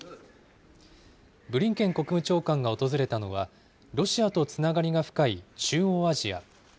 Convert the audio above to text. ブリンケン国務長官が訪れたのは、ロシアとつながりが深い中央アジア。